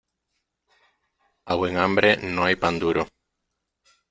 A buen hambre no hay pan duro.